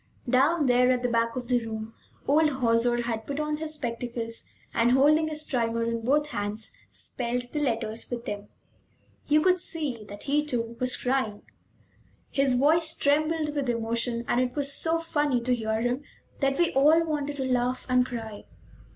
Down there at the back of the room old Hauser had put on his spectacles and, holding his primer in both hands, spelled the letters with them. You could see that he, too, was crying; his voice trembled with emotion, and it was so funny to hear him that we all wanted to laugh and cry.